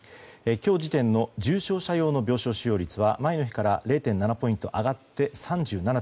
今日時点の重症者用の病床使用率は前の日から０．７ポイント上がって３７．４％。